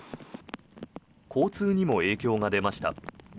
交通にも影響が出ました。